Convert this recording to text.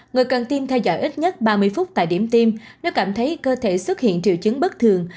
người cần tiêm theo dõi ít nhất ba mươi phút tại điểm tiêm nếu cảm thấy cơ thể xuất hiện triệu chứng bất thường